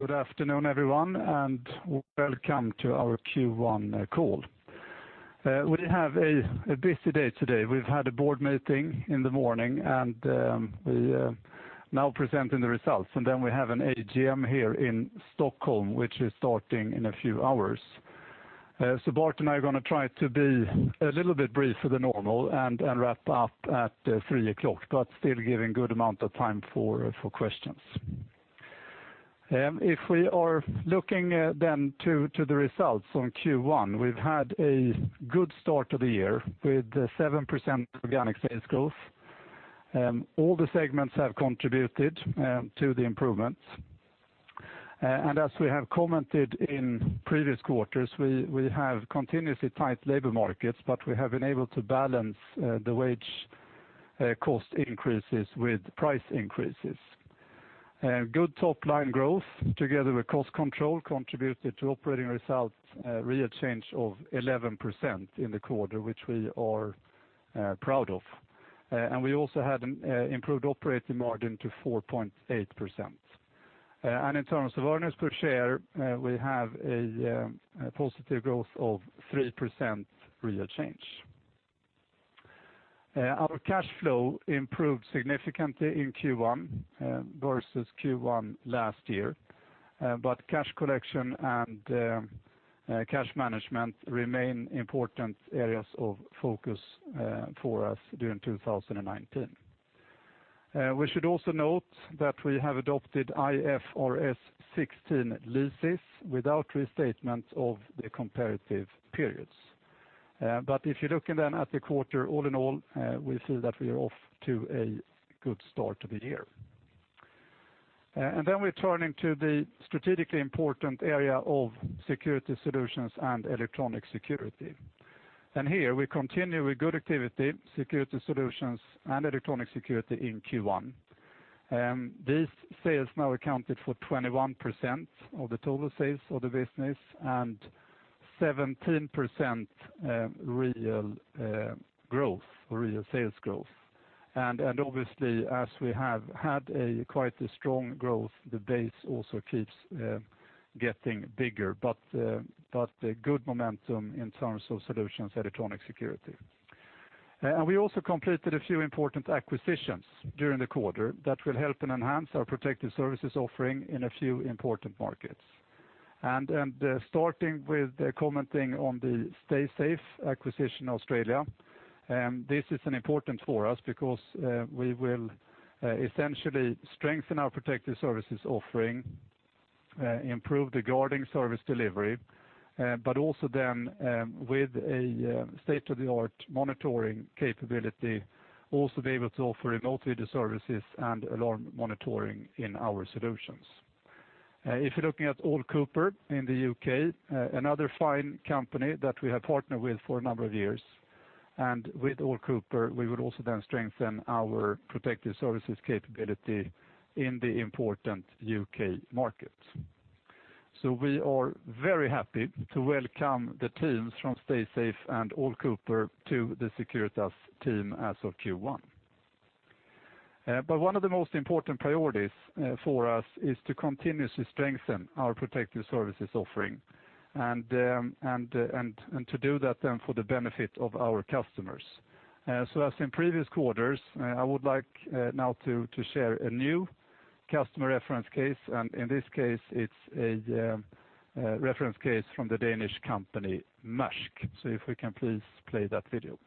Good afternoon, everyone, welcome to our Q1 call. We have a busy day today. We've had a board meeting in the morning, and we are now presenting the results. We have an AGM here in Stockholm, which is starting in a few hours. Bart and I are going to try to be a little bit briefer than normal and wrap up at 3:00 P.M., but still giving good amount of time for questions. If we are looking to the results on Q1, we've had a good start to the year with 7% organic sales growth. All the segments have contributed to the improvements. As we have commented in previous quarters, we have continuously tight labor markets, but we have been able to balance the wage cost increases with price increases. Good top-line growth together with cost control contributed to operating results, real change of 11% in the quarter, which we are proud of. We also had an improved operating margin to 4.8%. In terms of earnings per share, we have a positive growth of 3% real change. Our cash flow improved significantly in Q1 versus Q1 last year. Cash collection and cash management remain important areas of focus for us during 2019. We should also note that we have adopted IFRS 16 leases without restatement of the comparative periods. If you're looking at the quarter all in all, we see that we are off to a good start to the year. We're turning to the strategically important area of security solutions and electronic security. Here we continue with good activity, security solutions and electronic security in Q1. These sales now accounted for 21% of the total sales of the business and 17% real growth, real sales growth. Obviously, as we have had a quite a strong growth, the base also keeps getting bigger. Good momentum in terms of solutions, electronic security. We also completed a few important acquisitions during the quarter that will help and enhance our protective services offering in a few important markets. Starting with commenting on the Staysafe acquisition Australia, this is important for us because we will essentially strengthen our protective services offering, improve the guarding service delivery, but also then with a state-of-the-art monitoring capability, also be able to offer remote video services and alarm monitoring in our solutions. If you're looking at Allcooper in the U.K., another fine company that we have partnered with for a number of years, and with Allcooper, we would also then strengthen our protective services capability in the important U.K. market. We are very happy to welcome the teams from Staysafe and Allcooper to the Securitas team as of Q1. One of the most important priorities for us is to continuously strengthen our protective services offering and to do that then for the benefit of our customers. As in previous quarters, I would like now to share a new customer reference case, and in this case, it's a reference case from the Danish company, Maersk. If we can please play that video.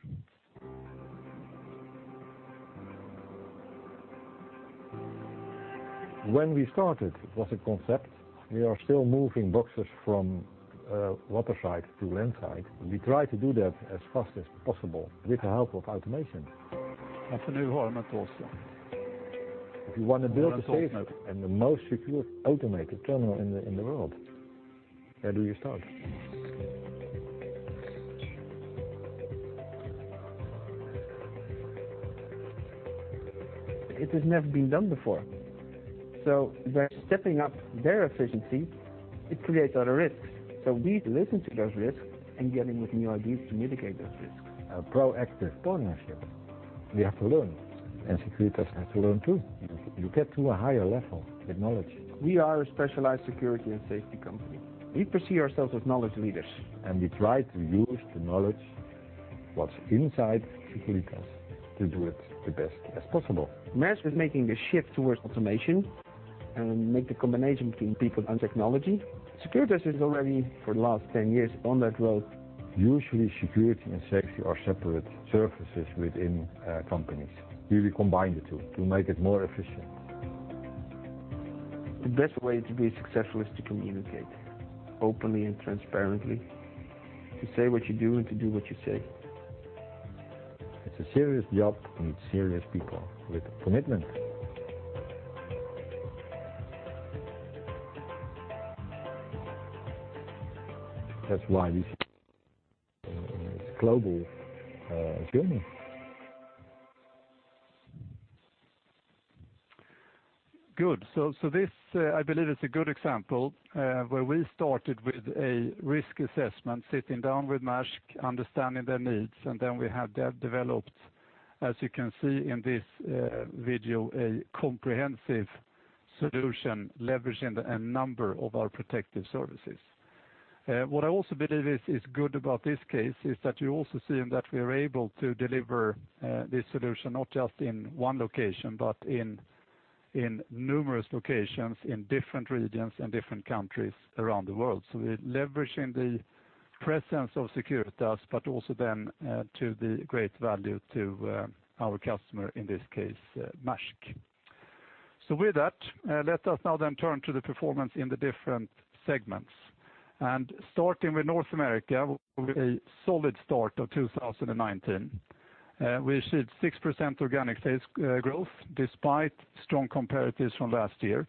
When we started, it was a concept. We are still moving boxes from waterside to landside. We try to do that as fast as possible with the help of automation. If you want to build the safest and the most secure automated terminal in the world, where do you start? It has never been done before. They're stepping up their efficiency. It creates other risks. We listen to those risks and get in with new ideas to mitigate those risks. A proactive partnership. We have to learn, and Securitas has to learn, too. You get to a higher level of technology. We are a specialized security and safety company. We perceive ourselves as knowledge leaders. We try to use the knowledge that's inside Securitas to do it the best as possible. Maersk is making a shift towards automation and make the combination between people and technology. Securitas is already, for the last 10 years, on that road. Usually, security and safety are separate services within companies. We combine the two to make it more efficient. The best way to be successful is to communicate openly and transparently, to say what you do and to do what you say. It's a serious job. We need serious people with commitment. That's why we global security. Good. This, I believe, is a good example, where we started with a risk assessment, sitting down with Maersk, understanding their needs, and then we have developed. As you can see in this video, a comprehensive solution leveraging a number of our protective services. What I also believe is good about this case is that you also see that we are able to deliver this solution not just in one location, but in numerous locations in different regions and different countries around the world. We're leveraging the presence of Securitas, but also to the great value to our customer, in this case, Maersk. With that, let us now turn to the performance in the different segments. Starting with North America, with a solid start of 2019. We achieved 6% organic sales growth despite strong comparatives from last year.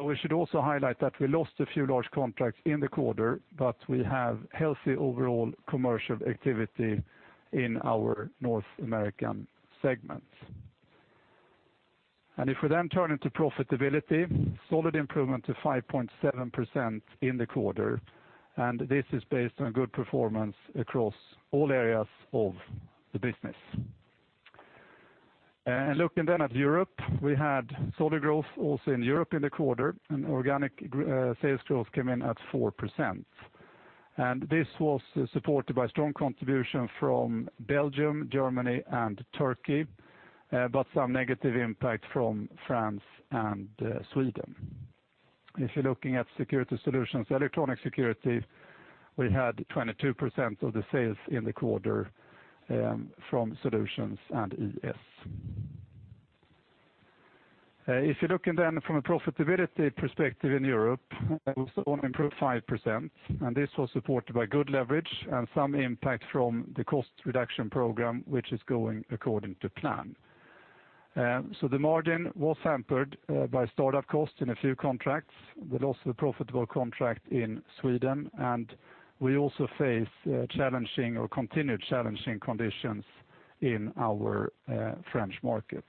We should also highlight that we lost a few large contracts in the quarter, but we have healthy overall commercial activity in our North American segments. If we turn into profitability, solid improvement to 5.7% in the quarter, and this is based on good performance across all areas of the business. Looking at Europe, we had solid growth also in Europe in the quarter, and organic sales growth came in at 4%. This was supported by strong contribution from Belgium, Germany, and Turkey, but some negative impact from France and Sweden. If you're looking at Securitas Solutions electronic security, we had 22% of the sales in the quarter from solutions and ES. If you're looking from a profitability perspective in Europe, we saw an improved 5%, and this was supported by good leverage and some impact from the cost reduction program, which is going according to plan. The margin was hampered by startup costs in a few contracts. We lost a profitable contract in Sweden, and we also face challenging or continued challenging conditions in our French market.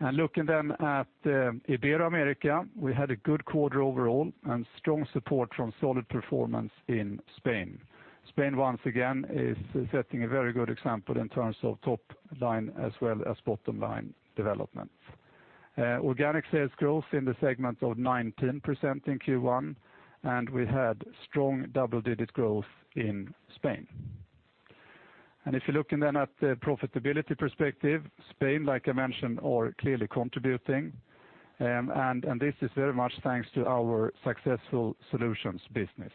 Looking at Ibero-America, we had a good quarter overall and strong support from solid performance in Spain. Spain, once again, is setting a very good example in terms of top line as well as bottom line development. Organic sales growth in the segment of 19% in Q1, and we had strong double-digit growth in Spain. If you're looking then at the profitability perspective, Spain, like I mentioned, are clearly contributing, and this is very much thanks to our successful solutions business.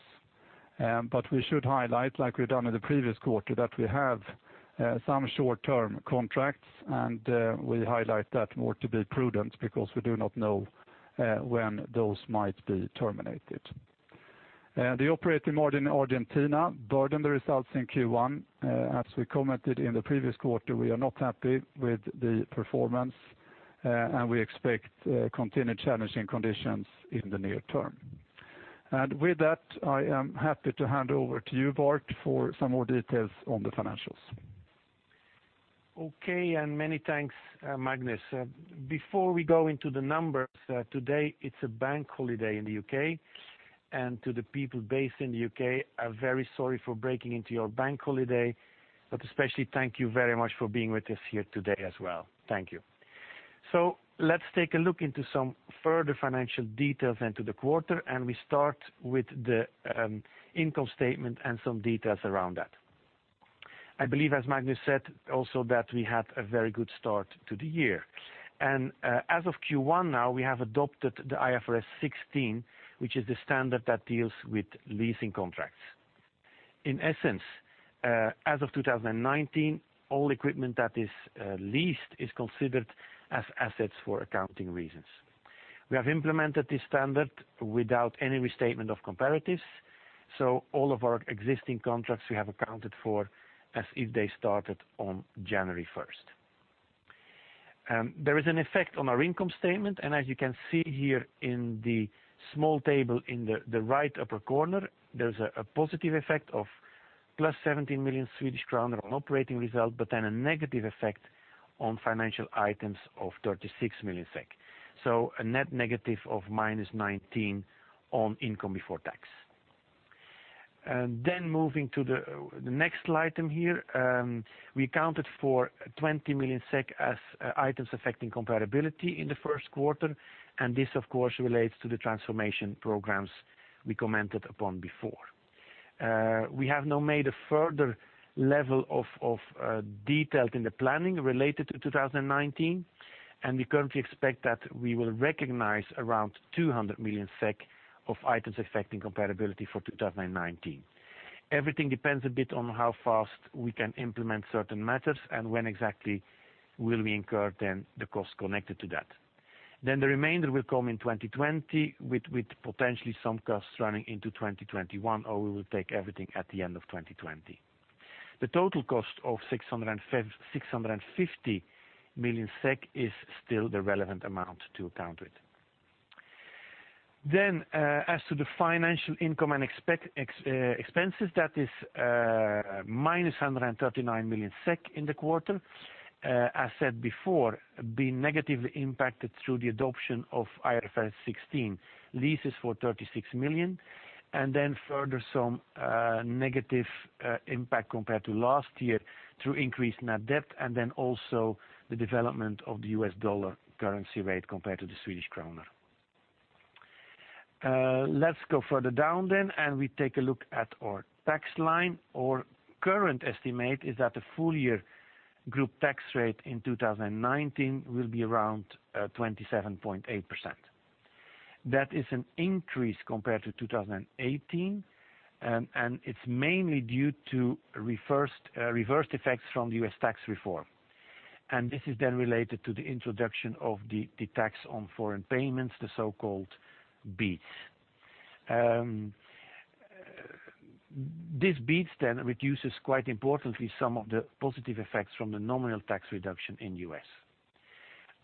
We should highlight, like we've done in the previous quarter, that we have some short-term contracts, and we highlight that more to be prudent because we do not know when those might be terminated. The operating margin in Argentina burdened the results in Q1. As we commented in the previous quarter, we are not happy with the performance, and we expect continued challenging conditions in the near term. With that, I am happy to hand over to you, Bart, for some more details on the financials. Okay, many thanks, Magnus. Before we go into the numbers, today it's a bank holiday in the U.K., to the people based in the U.K., I'm very sorry for breaking into your bank holiday, especially thank you very much for being with us here today as well. Thank you. Let's take a look into some further financial details into the quarter, we start with the income statement and some details around that. I believe, as Magnus said, also that we had a very good start to the year. As of Q1 now, we have adopted the IFRS 16, which is the standard that deals with leasing contracts. In essence, as of 2019, all equipment that is leased is considered as assets for accounting reasons. We have implemented this standard without any restatement of comparatives, all of our existing contracts we have accounted for as if they started on January 1st. There is an effect on our income statement, as you can see here in the small table in the right upper corner, there's a positive effect of 17 million Swedish crown on operating result, a negative effect on financial items of 36 million SEK. A net negative of -19 million on income before tax. Moving to the next item here, we accounted for 20 million SEK as items affecting comparability in the first quarter, this of course relates to the transformation programs we commented upon before. We have now made a further level of details in the planning related to 2019, we currently expect that we will recognize around 200 million SEK of items affecting comparability for 2019. Everything depends a bit on how fast we can implement certain matters and when exactly will we incur then the cost connected to that. The remainder will come in 2020 with potentially some costs running into 2021, we will take everything at the end of 2020. The total cost of 650 million SEK is still the relevant amount to account with. As to the financial income and expenses, that is -139 million SEK in the quarter. As said before, being negatively impacted through the adoption of IFRS 16 leases for 36 million, further some negative impact compared to last year through increased net debt, also the development of the U.S. dollar currency rate compared to the Swedish krona. Let's go further down then. We take a look at our tax line. Our current estimate is that the full year group tax rate in 2019 will be around 27.8%. That is an increase compared to 2018. It's mainly due to reverse effects from the U.S. tax reform. This is related to the introduction of the tax on foreign payments, the so-called BEAT. This BEAT reduces, quite importantly, some of the positive effects from the nominal tax reduction in U.S.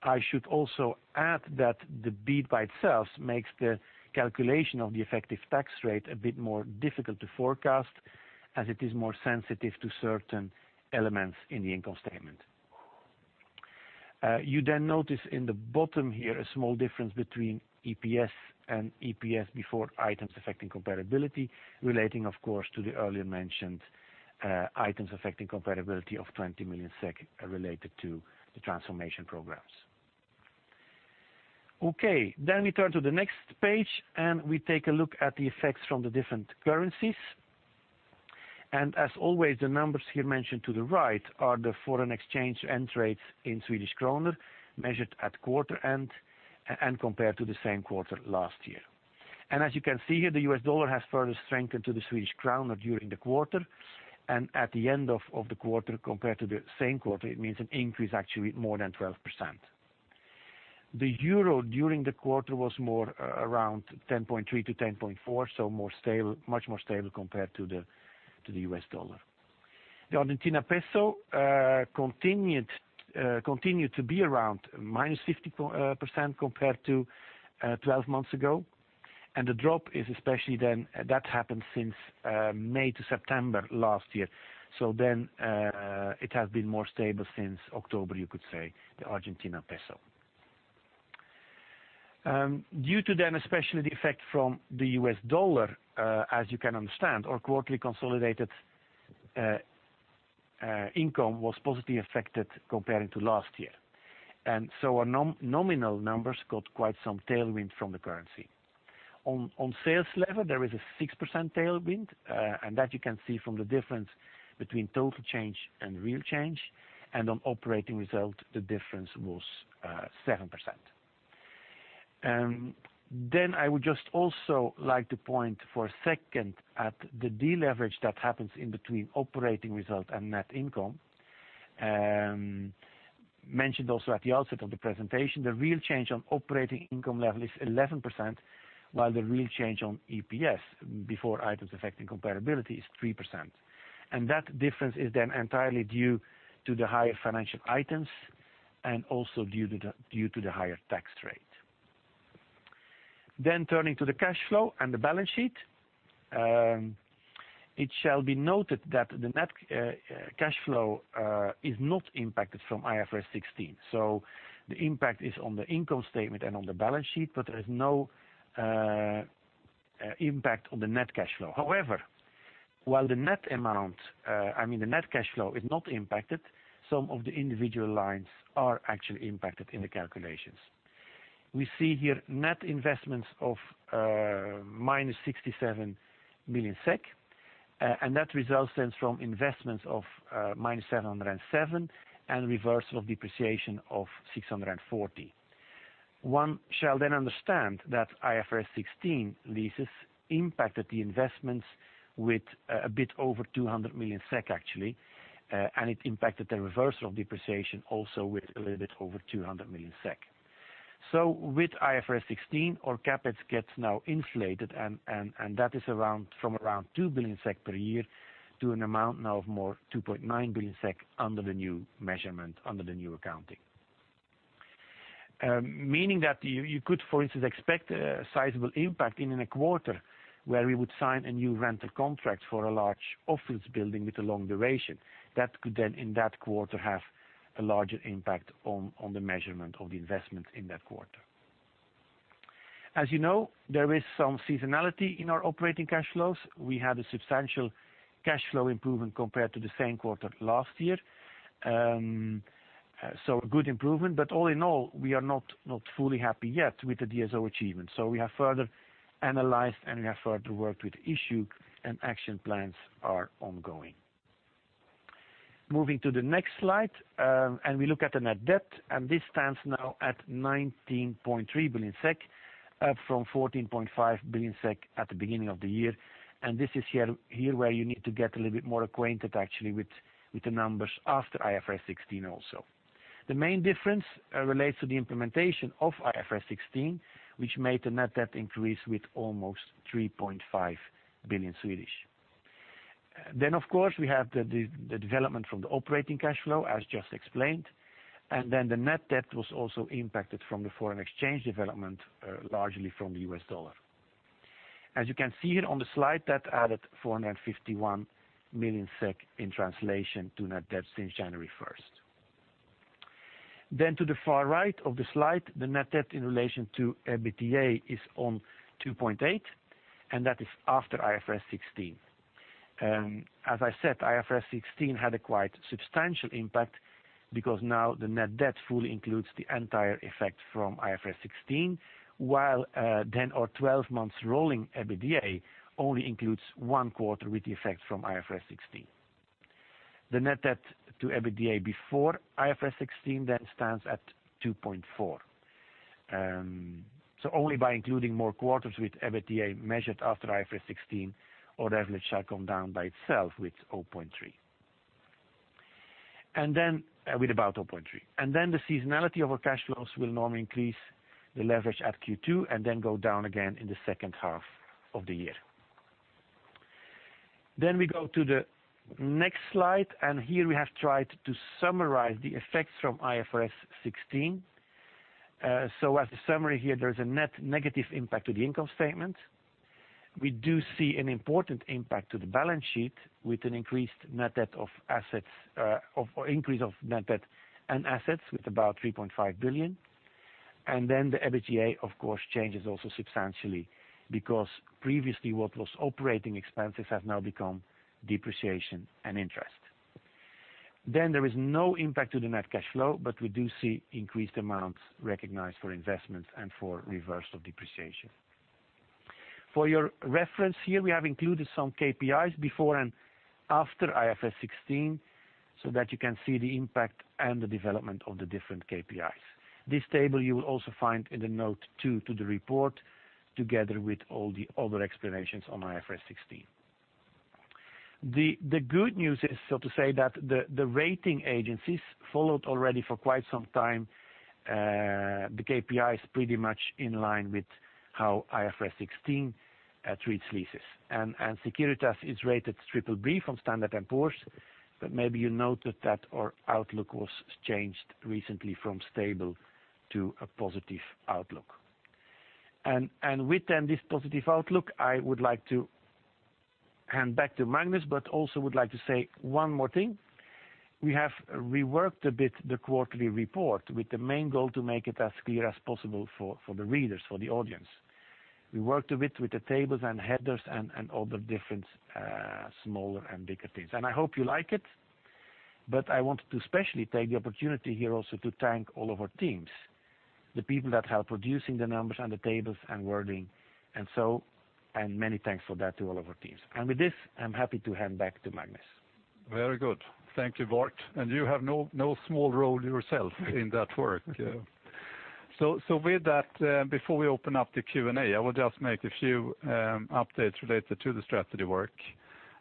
I should also add that the BEAT by itself makes the calculation of the effective tax rate a bit more difficult to forecast as it is more sensitive to certain elements in the income statement. You notice in the bottom here a small difference between EPS and EPS before items affecting comparability relating, of course, to the earlier mentioned items affecting comparability of 20 million SEK related to the transformation programs. We turn to the next page. We take a look at the effects from the different currencies. As always, the numbers here mentioned to the right are the foreign exchange and rates in Swedish krona, measured at quarter end and compared to the same quarter last year. As you can see here, the U.S. dollar has further strengthened to the Swedish krona during the quarter. At the end of the quarter, compared to the same quarter, it means an increase actually more than 12%. The euro during the quarter was more around 10.3-10.4, so much more stable compared to the U.S. dollar. The Argentina peso continued to be around -50% compared to 12 months ago. The drop is especially that happened since May to September last year. It has been more stable since October, you could say, the Argentina peso. Due to especially the effect from the U.S. dollar, as you can understand, our quarterly consolidated income was positively affected comparing to last year. Our nominal numbers got quite some tailwind from the currency. On sales level, there is a 6% tailwind, that you can see from the difference between total change and real change. On operating result, the difference was 7%. I would just also like to point for a second at the deleverage that happens in between operating result and net income. Mentioned also at the outset of the presentation, the real change on operating income level is 11%, while the real change on EPS before items affecting comparability is 3%. That difference is entirely due to the higher financial items due to the higher tax rate. Turning to the cash flow and the balance sheet. It shall be noted that the net cash flow is not impacted from IFRS 16. The impact is on the income statement and on the balance sheet, but there is no impact on the net cash flow. However, while the net amount, I mean, the net cash flow is not impacted, some of the individual lines are actually impacted in the calculations. We see here net investments of -67 million SEK, and that results then from investments of -707 million and reversal of depreciation of 640 million. One shall then understand that IFRS 16 leases impacted the investments with a bit over 200 million SEK, actually, and it impacted the reversal of depreciation also with a little bit over 200 million SEK. With IFRS 16, our CapEx gets now insulated, and that is from around 2 billion SEK per year to an amount now of more 2.9 billion SEK under the new measurement, under the new accounting. Meaning that you could, for instance, expect a sizable impact in a quarter where we would sign a new rental contract for a large office building with a long duration. That could then in that quarter have a larger impact on the measurement of the investment in that quarter. As you know, there is some seasonality in our operating cash flows. We had a substantial cash flow improvement compared to the same quarter last year. A good improvement, all in all, we are not fully happy yet with the DSO achievement. We have further analyzed and we have further worked with issue and action plans are ongoing. Moving to the next slide, we look at the net debt, this stands now at 19.3 billion SEK, up from 14.5 billion SEK at the beginning of the year. This is here where you need to get a little bit more acquainted actually with the numbers after IFRS 16 also. The main difference relates to the implementation of IFRS 16, which made the net debt increase with almost 3.5 billion. Of course, we have the development from the operating cash flow, as just explained, the net debt was also impacted from the foreign exchange development, largely from the U.S. dollar. As you can see here on the slide, that added 451 million SEK in translation to net debt since January 1st. To the far right of the slide, the net debt in relation to EBITDA is on 2.8x, that is after IFRS 16. As I said, IFRS 16 had a quite substantial impact because now the net debt fully includes the entire effect from IFRS 16, while 10 or 12 months rolling EBITDA only includes one quarter with the effect from IFRS 16. The net debt to EBITDA before IFRS 16 then stands at 2.4x. Only by including more quarters with EBITDA measured after IFRS 16, our leverage shall come down by itself with about 0.3x. The seasonality of our cash flows will normally increase the leverage at Q2 and go down again in the second half of the year. We go to the next slide, here we have tried to summarize the effects from IFRS 16. As a summary here, there's a net negative impact to the income statement. We do see an important impact to the balance sheet with an increase of net debt and assets with about 3.5 billion. The EBITDA, of course, changes also substantially because previously what was operating expenses have now become depreciation and interest. There is no impact to the net cash flow, we do see increased amounts recognized for investments and for reversal depreciation. For your reference here, we have included some KPIs before and after IFRS 16 so that you can see the impact and the development of the different KPIs. This table you will also find in the note two to the report, together with all the other explanations on IFRS 16. The good news is, so to say, that the rating agencies followed already for quite some time the KPIs pretty much in line with how IFRS 16 treats leases. Securitas is rated BBB from Standard & Poor's, but maybe you noted that our outlook was changed recently from stable to a positive outlook. With this positive outlook, I would like to hand back to Magnus, but also would like to say one more thing. We have reworked a bit the quarterly report with the main goal to make it as clear as possible for the readers, for the audience. We worked a bit with the tables and headers and all the different smaller and bigger things. I hope you like it, but I want to especially take the opportunity here also to thank all of our teams, the people that help producing the numbers and the tables and wording. Many thanks for that to all of our teams. With this, I'm happy to hand back to Magnus. Very good. Thank you, Bart. You have no small role yourself in that work. With that, before we open up the Q&A, I will just make a few updates related to the strategy work.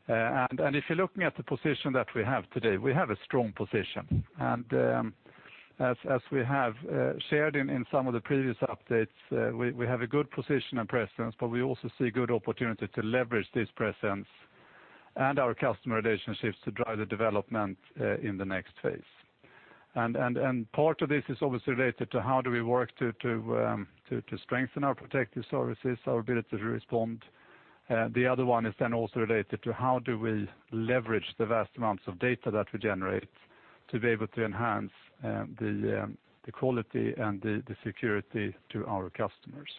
If you're looking at the position that we have today, we have a strong position. As we have shared in some of the previous updates, we have a good position and presence, but we also see good opportunity to leverage this presence and our customer relationships to drive the development in the next phase. Part of this is obviously related to how do we work to strengthen our protective services, our ability to respond. The other one is then also related to how do we leverage the vast amounts of data that we generate to be able to enhance the quality and the security to our customers.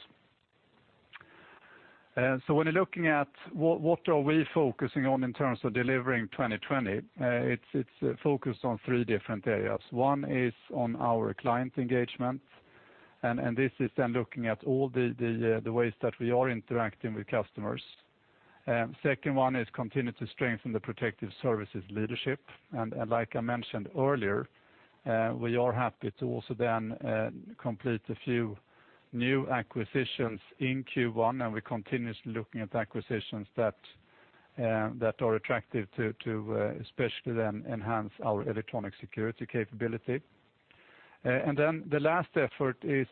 When you're looking at what are we focusing on in terms of delivering 2020, it's focused on three different areas. One is on our client engagement, and this is then looking at all the ways that we are interacting with customers. Second one is to continue to strengthen the protective services leadership. Like I mentioned earlier, we are happy to also then complete a few new acquisitions in Q1, and we're continuously looking at acquisitions that are attractive to especially then enhance our electronic security capability. Then the last effort is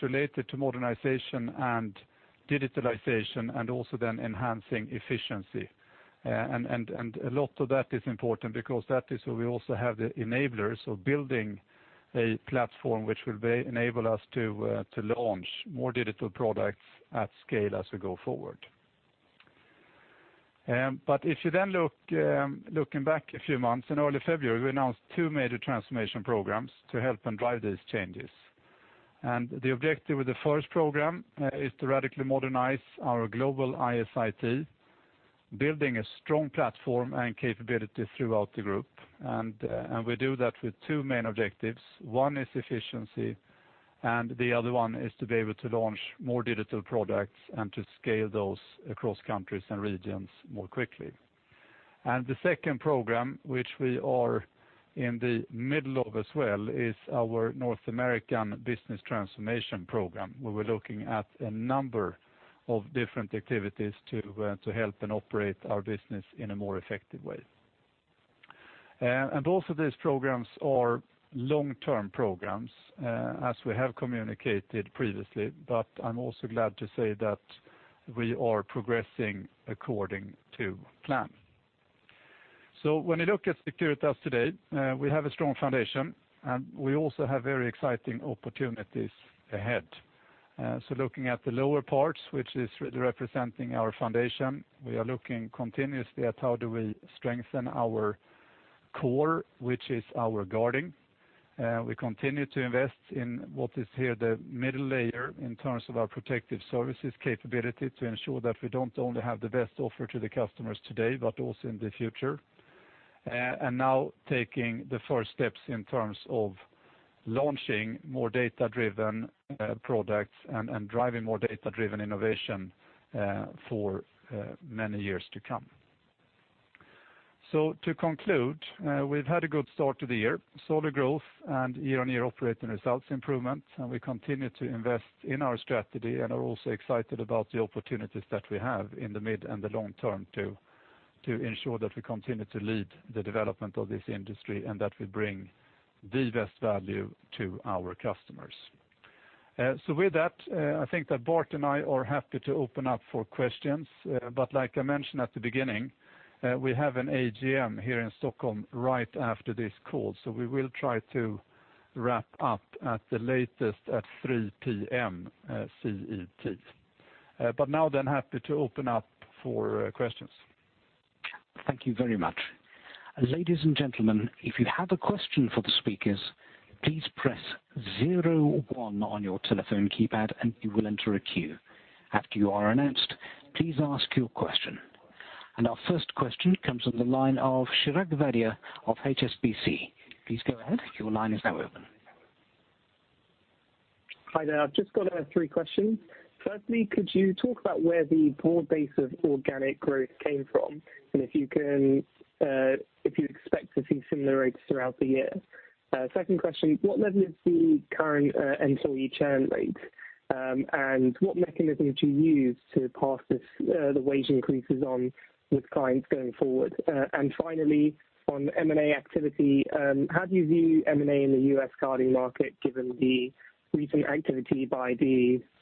related to modernization and digitalization, and also then enhancing efficiency. A lot of that is important because that is where we also have the enablers of building a platform which will enable us to launch more digital products at scale as we go forward. If you then looking back a few months, in early February, we announced two major transformation programs to help and drive these changes. The objective with the first program is to radically modernize our global IS/IT, building a strong platform and capability throughout the group. We do that with two main objectives. One is efficiency, and the other one is to be able to launch more digital products and to scale those across countries and regions more quickly. The second program, which we are in the middle of as well, is our North American Business Transformation Program, where we're looking at a number of different activities to help and operate our business in a more effective way. Both of these programs are long-term programs as we have communicated previously, I'm also glad to say that we are progressing according to plan. When you look at Securitas today, we have a strong foundation, and we also have very exciting opportunities ahead. Looking at the lower parts, which is really representing our foundation, we are looking continuously at how do we strengthen our core, which is our guarding. We continue to invest in what is here, the middle layer in terms of our protective services capability to ensure that we don't only have the best offer to the customers today, but also in the future. Now taking the first steps in terms of launching more data-driven products and driving more data-driven innovation for many years to come. To conclude, we've had a good start to the year. Solid growth and year-on-year operating results improvement, and we continue to invest in our strategy and are also excited about the opportunities that we have in the mid and the long term to ensure that we continue to lead the development of this industry, and that we bring the best value to our customers. With that, I think that Bart and I are happy to open up for questions. Like I mentioned at the beginning, we have an AGM here in Stockholm right after this call, so we will try to wrap up at the latest at 3:00 P.M. CET. Now happy to open up for questions. Thank you very much. Ladies and gentlemen, if you have a question for the speakers, please press zero one on your telephone keypad and you will enter a queue. After you are announced, please ask your question. Our first question comes from the line of Chirag Varia of HSBC. Please go ahead. Your line is now open. Hi there. I've just got three questions. Firstly, could you talk about where the broad base of organic growth came from, and if you expect to see similar rates throughout the year? Second question, what level is the current employee churn rate? What mechanism do you use to pass the wage increases on with clients going forward? Finally, on M&A activity, how do you view M&A in the U.S. guarding market given the recent activity by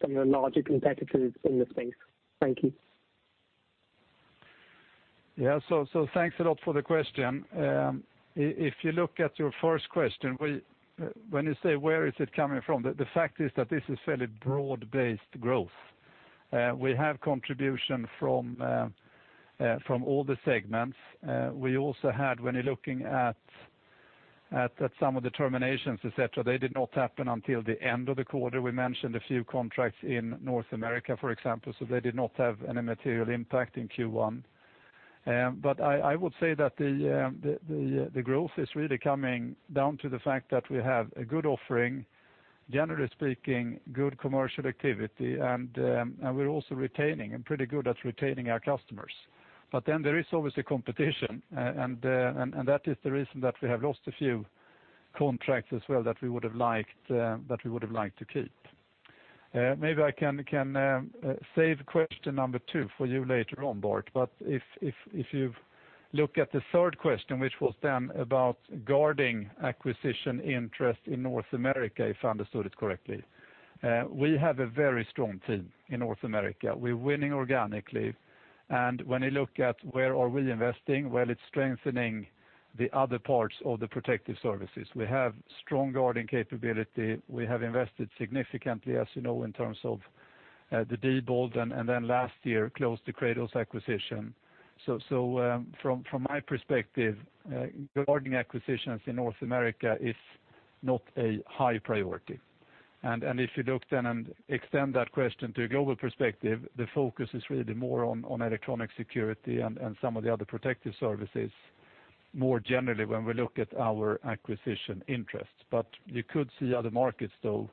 some of the larger competitors in the space? Thank you. Thanks a lot for the question. If you look at your first question, when you say where is it coming from, the fact is that this is fairly broad-based growth. We have contribution from all the segments. We also had when you're looking at some of the terminations, et cetera, they did not happen until the end of the quarter. We mentioned a few contracts in North America, for example, so they did not have any material impact in Q1. I would say that the growth is really coming down to the fact that we have a good offering, generally speaking, good commercial activity, and we're also retaining and pretty good at retaining our customers. There is obviously competition, and that is the reason that we have lost a few contracts as well that we would have liked to keep. Maybe I can save question number two for you later on, Bart. If you look at the third question, which was then about guarding acquisition interest in North America, if I understood it correctly. We have a very strong team in North America. We're winning organically, and when you look at where are we investing, well, it's strengthening the other parts of the protective services. We have strong guarding capability. We have invested significantly, as you know, in terms of the Diebold, and then last year closed the Kratos acquisition. From my perspective, guarding acquisitions in North America is not a high priority. If you look then and extend that question to a global perspective, the focus is really more on electronic security and some of the other protective services more generally when we look at our acquisition interests. You could see other markets though,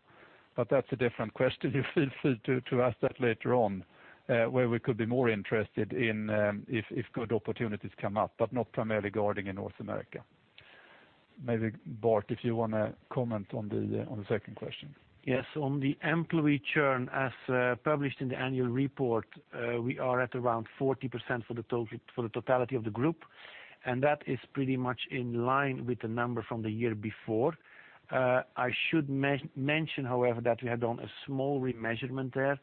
that's a different question. Feel free to ask that later on where we could be more interested in if good opportunities come up, but not primarily guarding in North America. Maybe Bart, if you want to comment on the second question. On the employee churn, as published in the annual report, we are at around 40% for the totality of the group, and that is pretty much in line with the number from the year before. I should mention, however, that we have done a small remeasurement there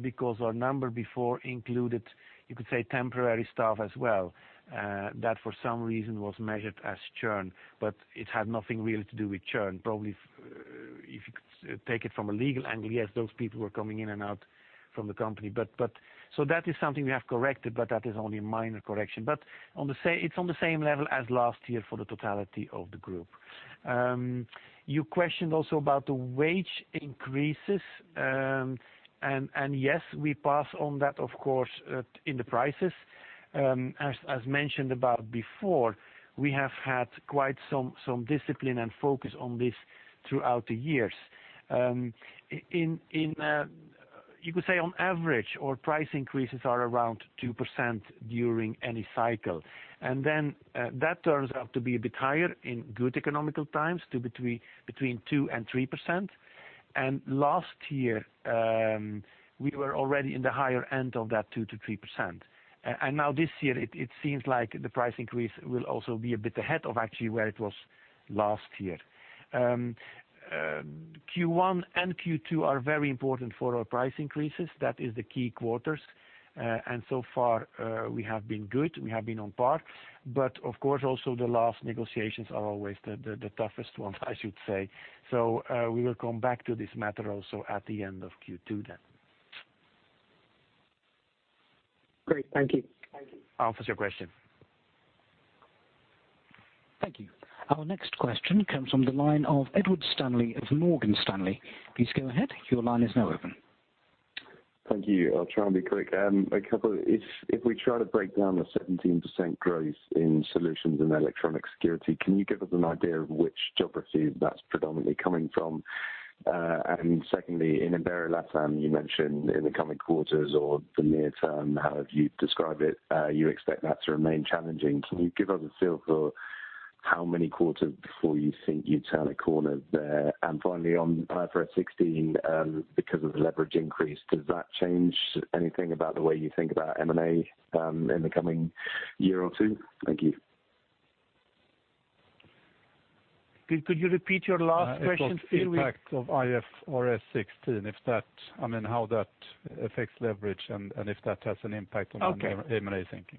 because our number before included, you could say temporary staff as well, that for some reason was measured as churn, but it had nothing really to do with churn. Probably if you could take it from a legal angle, yes, those people were coming in and out from the company. That is something we have corrected, but that is only a minor correction. It's on the same level as last year for the totality of the group. You questioned also about the wage increases. Yes, we pass on that, of course, in the prices. As mentioned before, we have had quite some discipline and focus on this throughout the years. You could say on average, our price increases are around 2% during any cycle. Then that turns out to be a bit higher in good economical times to between 2% and 3%. Last year, we were already in the higher end of that 2%-3%. Now this year it seems like the price increase will also be a bit ahead of actually where it was last year. Q1 and Q2 are very important for our price increases. That is the key quarters. So far, we have been good. We have been on par. Of course, also the last negotiations are always the toughest ones, I should say. We will come back to this matter also at the end of Q2 then. Great. Thank you. Answers your question. Thank you. Our next question comes from the line of Edward Stanley of Morgan Stanley. Please go ahead. Your line is now open. Thank you. I'll try and be quick. A couple. If we try to break down the 17% growth in solutions and electronic security, can you give us an idea of which geography that's predominantly coming from? Secondly, in Iberia, Latam, you mentioned in the coming quarters or the near term, however you described it, you expect that to remain challenging. Can you give us a feel for how many quarters before you think you'd turn a corner there? Finally, on IFRS 16, because of the leverage increase, does that change anything about the way you think about M&A in the coming year or two? Thank you. Could you repeat your last question, please? It was impact of IFRS 16, how that affects leverage and if that has an impact on. Okay. M&A thinking.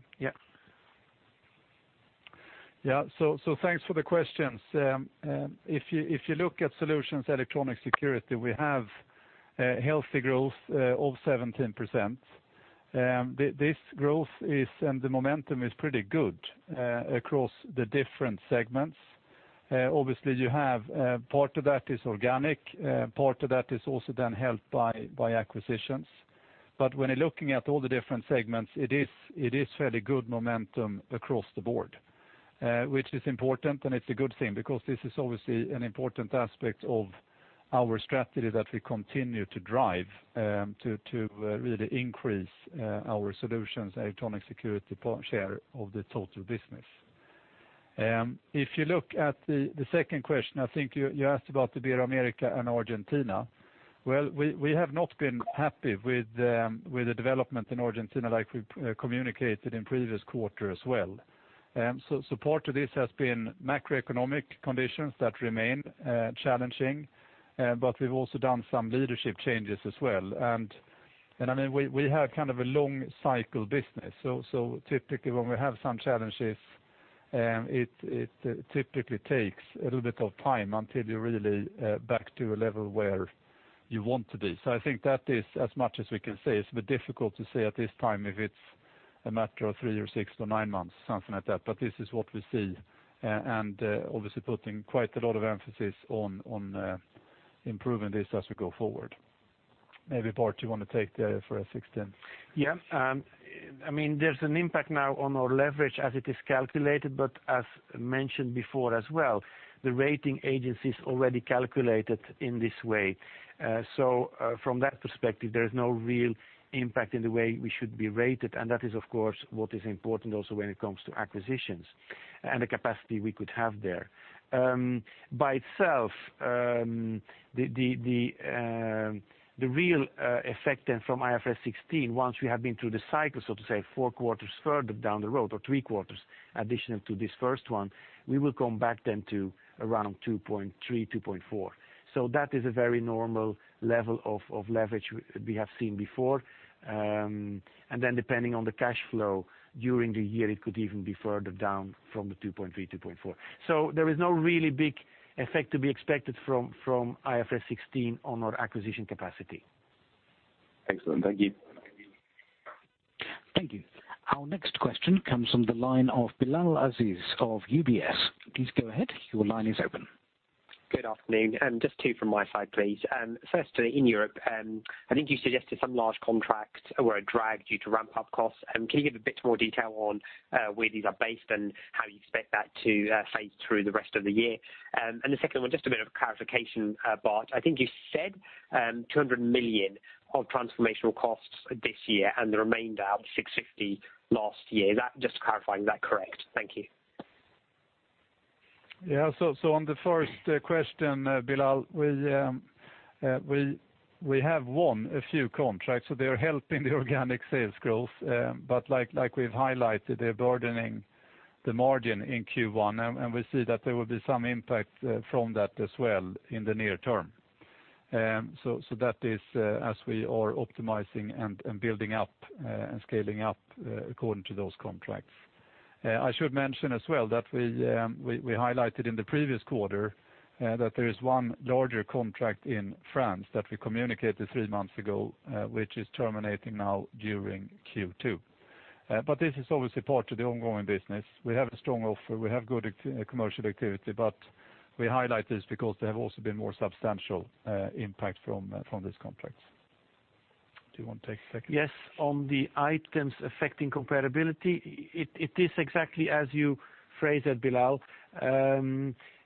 Yeah. Yeah. Thanks for the questions. If you look at solutions electronic security, we have healthy growth of 17%. The momentum is pretty good across the different segments. Obviously, you have part of that is organic, part of that is also then helped by acquisitions. When you're looking at all the different segments, it is fairly good momentum across the board, which is important, and it's a good thing because this is obviously an important aspect of our strategy that we continue to drive, to really increase our solutions electronic security share of the total business. If you look at the second question, I think you asked about the Ibero-America and Argentina. Well, we have not been happy with the development in Argentina like we communicated in previous quarter as well. Part of this has been macroeconomic conditions that remain challenging, but we've also done some leadership changes as well. We have kind of a long cycle business. Typically when we have some challenges, it typically takes a little bit of time until you're really back to a level where you want to be. I think that is as much as we can say. It's a bit difficult to say at this time if it's a matter of three or six or nine months, something like that. This is what we see. Obviously putting quite a lot of emphasis on improving this as we go forward. Maybe Bart, you want to take the IFRS 16? Yeah. There's an impact now on our leverage as it is calculated, but as mentioned before as well, the rating agencies already calculated in this way. From that perspective, there is no real impact in the way we should be rated, and that is of course what is important also when it comes to acquisitions and the capacity we could have there. By itself, the real effect then from IFRS 16, once we have been through the cycle, so to say, four quarters further down the road or three quarters additional to this first one, we will come back then to around 2.3x, 2.4x. That is a very normal level of leverage we have seen before. Depending on the cash flow during the year, it could even be further down from the 2.3x, 2.4x. There is no really big effect to be expected from IFRS 16 on our acquisition capacity. Excellent. Thank you. Thank you. Our next question comes from the line of Bilal Aziz of UBS. Please go ahead. Your line is open. Good afternoon. Just two from my side, please. First, in Europe, I think you suggested some large contracts were a drag due to ramp-up costs. Can you give a bit more detail on where these are based and how you expect that to phase through the rest of the year? The second one, just a bit of clarification, Bart. I think you said 200 million of transformational costs this year and the remainder of the 650 million last year. Just clarifying, is that correct? Thank you. Yeah. On the first question, Bilal, we have won a few contracts, they're helping the organic sales growth. Like we've highlighted, they're burdening the margin in Q1, and we see that there will be some impact from that as well in the near term. That is as we are optimizing and building up and scaling up according to those contracts. I should mention as well that we highlighted in the previous quarter that there is one larger contract in France that we communicated three months ago, which is terminating now during Q2. This is obviously part of the ongoing business. We have a strong offer, we have good commercial activity, but we highlight this because there have also been more substantial impact from this contract. Do you want to take the second? Yes. On the items affecting comparability, it is exactly as you phrased it, Bilal.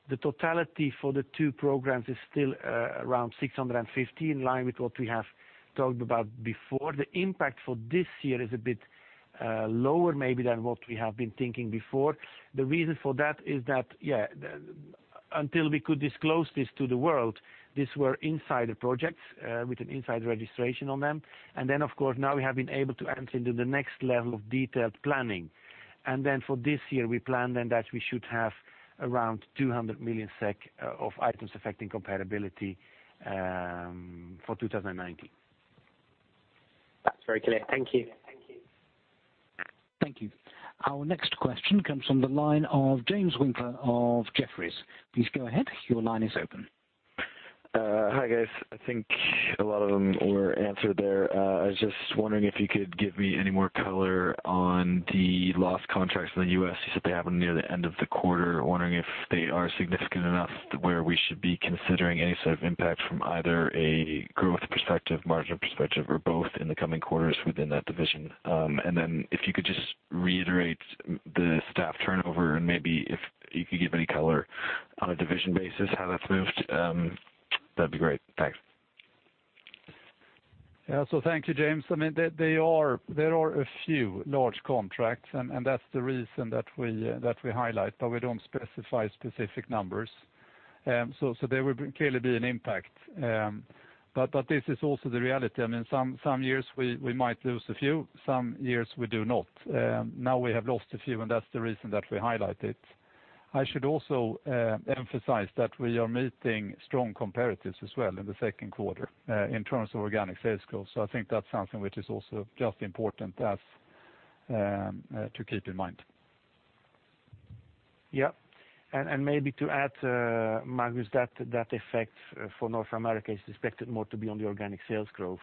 The totality for the two programs is still around 650 million, in line with what we have talked about before. The impact for this year is a bit lower maybe than what we have been thinking before. The reason for that is that until we could disclose this to the world, these were insider projects with an inside registration on them. Of course, now we have been able to enter into the next level of detailed planning. For this year, we plan then that we should have around 200 million SEK of items affecting comparability for 2019. That's very clear. Thank you. Thank you. Our next question comes from the line of James Winkler of Jefferies. Please go ahead. Your line is open. Hi, guys. I think a lot of them were answered there. I was just wondering if you could give me any more color on the lost contracts in the U.S. You said they happened near the end of the quarter. Wondering if they are significant enough to where we should be considering any sort of impact from either a growth perspective, margin perspective, or both in the coming quarters within that division. If you could just reiterate the staff turnover, and maybe if you could give any color on a division basis, how that's moved, that'd be great. Thanks. Yeah. Thank you, James. There are a few large contracts, that's the reason that we highlight, we don't specify specific numbers. There will clearly be an impact. This is also the reality. Some years we might lose a few. Some years we do not. Now we have lost a few, that's the reason that we highlight it. I should also emphasize that we are meeting strong comparatives as well in the second quarter, in terms of organic sales growth. I think that's something which is also just important to keep in mind. Yeah. Maybe to add, Magnus, that effect for North America is expected more to be on the organic sales growth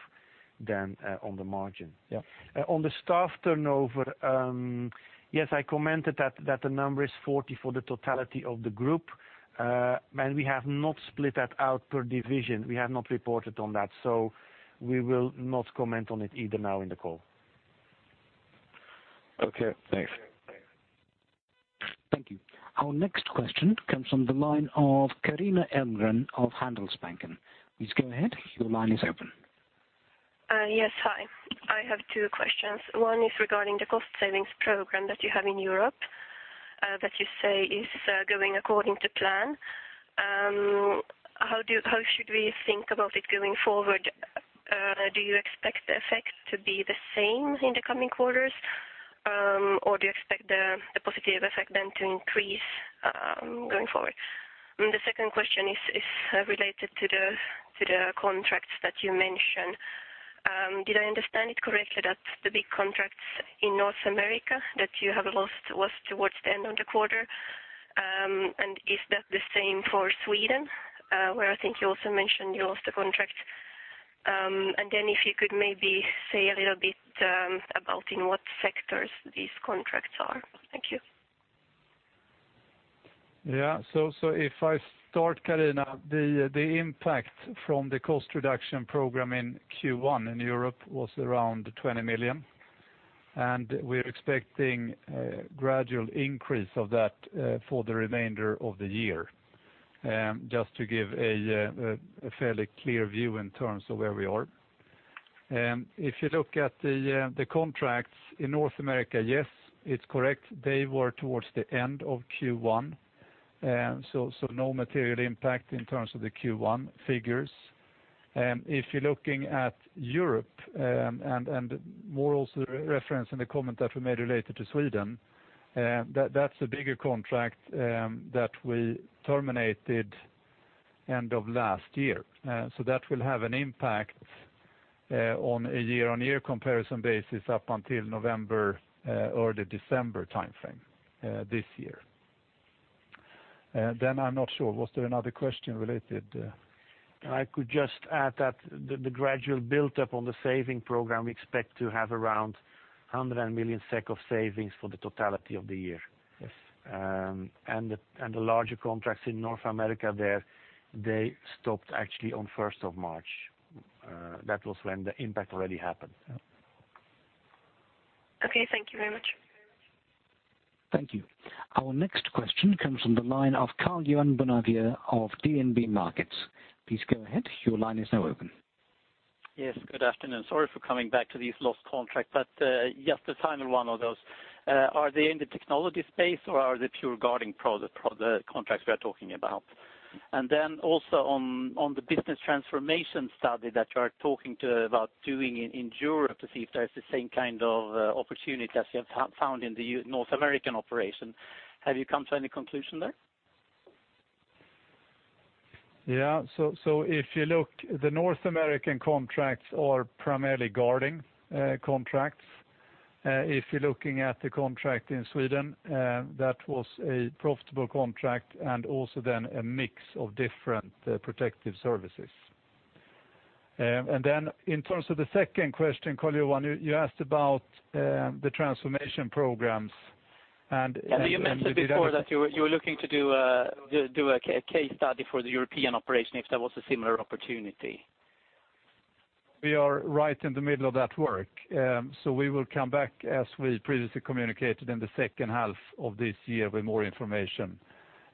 than on the margin. Yeah. On the staff turnover. Yes, I commented that the number is 40 for the totality of the group, we have not split that out per division. We have not reported on that. We will not comment on it either now in the call. Okay, thanks. Thank you. Our next question comes from the line of Carina Elmgren of Handelsbanken. Please go ahead. Your line is open. Yes, hi. I have two questions. One is regarding the cost savings program that you have in Europe, that you say is going according to plan. How should we think about it going forward? Do you expect the effect to be the same in the coming quarters? Do you expect the positive effect to increase, going forward? The second question is related to the contracts that you mentioned. Did I understand it correctly that the big contracts in North America that you have lost was towards the end of the quarter? Is that the same for Sweden, where I think you also mentioned you lost a contract? If you could maybe say a little bit about in what sectors these contracts are. Thank you. If I start, Carina, the impact from the cost reduction program in Q1 in Europe was around 20 million, and we're expecting a gradual increase of that for the remainder of the year. Just to give a fairly clear view in terms of where we are. If you look at the contracts in North America, yes, it's correct. They were towards the end of Q1. No material impact in terms of the Q1 figures. If you're looking at Europe, and more also the reference in the comment that we made related to Sweden, that's a bigger contract that we terminated end of last year. That will have an impact on a year-on-year comparison basis up until November or the December timeframe, this year. I'm not sure. Was there another question related? I could just add that the gradual buildup on the saving program, we expect to have around 100 million SEK of savings for the totality of the year. Yes. The larger contracts in North America there, they stopped actually on 1st of March. That was when the impact already happened. Okay. Thank you very much. Thank you. Our next question comes from the line of Karl-Johan Bonnevier of DNB Markets. Please go ahead. Your line is now open. Yes, good afternoon. Just a final one of those. Are they in the technology space, or are they pure guarding contracts we are talking about? Also on the business transformation study that you are talking about doing in Europe to see if there's the same kind of opportunity as you have found in the North American operation. Have you come to any conclusion there? Yeah. If you look, the North American contracts are primarily guarding contracts. If you're looking at the contract in Sweden, that was a profitable contract and also then a mix of different protective services. In terms of the second question, Karl-Johan, you asked about the transformation programs and- You mentioned before that you were looking to do a case study for the European operation if there was a similar opportunity. We are right in the middle of that work. We will come back, as we previously communicated, in the second half of this year with more information,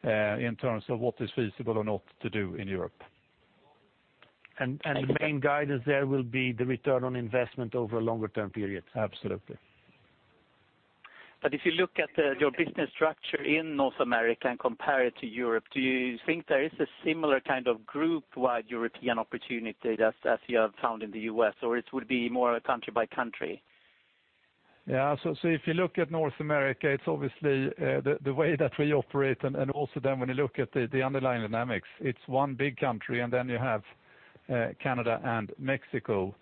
in terms of what is feasible or not to do in Europe. The main guidance there will be the return on investment over a longer term period. Absolutely. If you look at your business structure in North America and compare it to Europe, do you think there is a similar kind of group-wide European opportunity that as you have found in the U.S., or it would be more a country-by-country? If you look at North America, it's obviously the way that we operate, and also then when you look at the underlying dynamics, it's one big country, and then you have Canada and Mexico.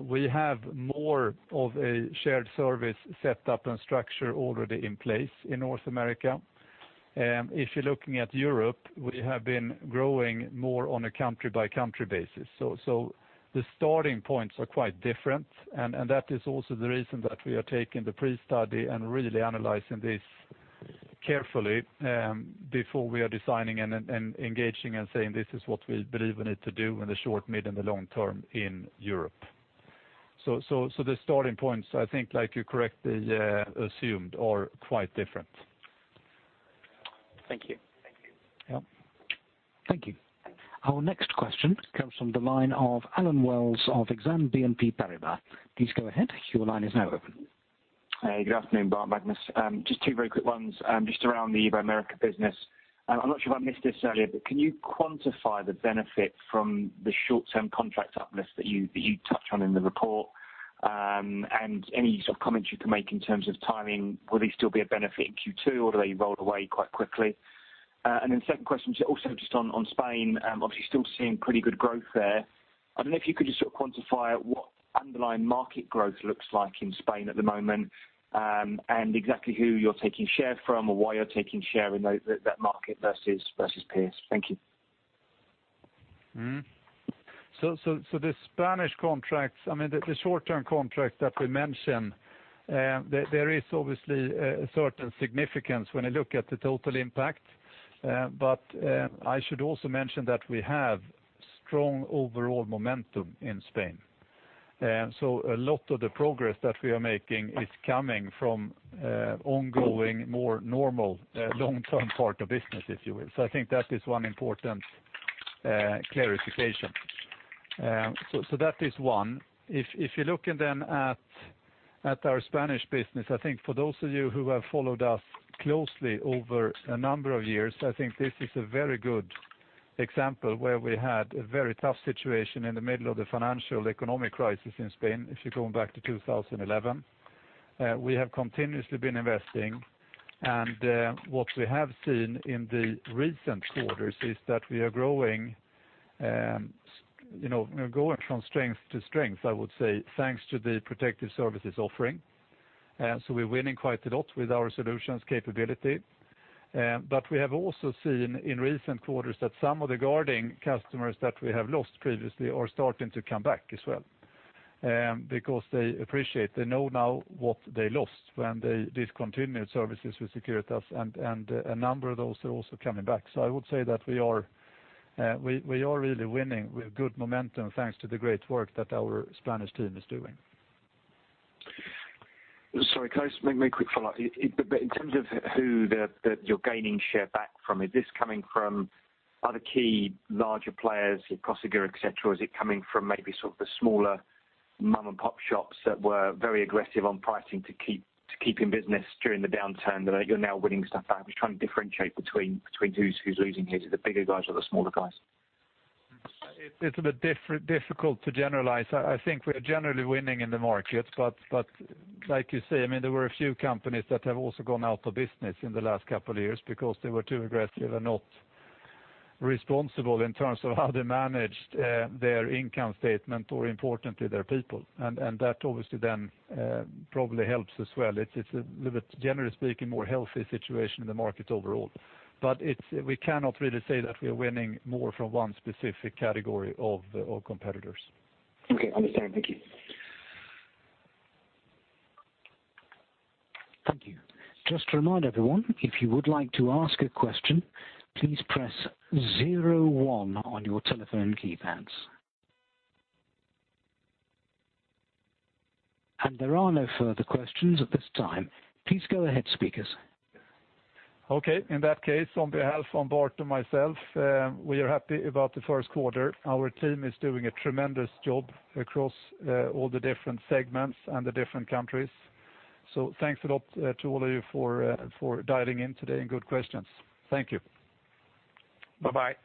We have more of a shared-service setup and structure already in place in North America. If you're looking at Europe, we have been growing more on a country-by-country basis. The starting points are quite different, and that is also the reason that we are taking the pre-study and really analyzing this carefully before we are designing and engaging and saying, "This is what we believe we need to do in the short, mid, and the long term in Europe." The starting points, I think you correctly assumed, are quite different. Thank you. Thank you. Our next question comes from the line of Allen Wells of Exane BNP Paribas. Please go ahead. Your line is now open. Good afternoon, Bart and Magnus. Just two very quick ones just around the Ibero-America business. I'm not sure if I missed this earlier, but can you quantify the benefit from the short-term contract uplift that you touched on in the report? Any comments you can make in terms of timing? Will they still be a benefit in Q2, or do they roll away quite quickly? Second question also just on Spain, obviously still seeing pretty good growth there. I don't know if you could just quantify what underlying market growth looks like in Spain at the moment, and exactly who you're taking share from or why you're taking share in that market versus peers. Thank you. The Spanish contracts, the short-term contracts that we mentioned there is obviously a certain significance when you look at the total impact. I should also mention that we have strong overall momentum in Spain. A lot of the progress that we are making is coming from ongoing, more normal long-term part of business, if you will. I think that is one important clarification. That is one. If you're looking at our Spanish business, I think for those of you who have followed us closely over a number of years, I think this is a very good example where we had a very tough situation in the middle of the financial economic crisis in Spain, if you're going back to 2011. We have continuously been investing, what we have seen in the recent quarters is that we are growing from strength to strength, I would say, thanks to the protective services offering. We're winning quite a lot with our solutions capability. We have also seen in recent quarters that some of the guarding customers that we have lost previously are starting to come back as well because they appreciate, they know now what they lost when they discontinued services with Securitas, a number of those are also coming back. I would say that we are really winning with good momentum thanks to the great work that our Spanish team is doing. Sorry, can I just make a quick follow-up? In terms of who that you're gaining share back from, is this coming from other key larger players, Prosegur, et cetera? Or is it coming from maybe the smaller mom-and-pop shops that were very aggressive on pricing to keep in business during the downturn that you're now winning stuff back? I'm just trying to differentiate between who's losing here. Is it the bigger guys or the smaller guys? It's a bit difficult to generalize. I think we are generally winning in the market, but like you say, there were a few companies that have also gone out of business in the last couple of years because they were too aggressive and not responsible in terms of how they managed their income statement or importantly, their people. That obviously then probably helps as well. It's a little bit, generally speaking, more healthy situation in the market overall, but we cannot really say that we are winning more from one specific category of competitors. Okay, understand. Thank you. Thank you. Just to remind everyone, if you would like to ask a question, please press zero one on your telephone keypads. There are no further questions at this time. Please go ahead, speakers. Okay. In that case, on behalf of Bart and myself we are happy about the first quarter. Our team is doing a tremendous job across all the different segments and the different countries. Thanks a lot to all of you for dialing in today and good questions. Thank you. Bye-bye.